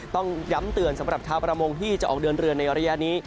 ต้องย้ำเตือนสำหรับชาวประมงที่จะออกเดินเรือในระยะนี้